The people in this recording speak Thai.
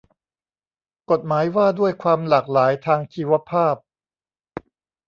กฎหมายว่าด้วยความหลากหลายทางชีวภาพ